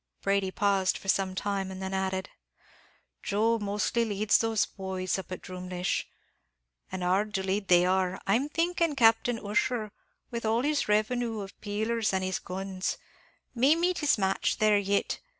Brady paused for some time, and then added, "Joe mostly leads those boys up at Drumleesh, an' hard to lead they are; I'm thinking Captain Ussher, with all his revenue of peelers an' his guns, may meet his match there yit.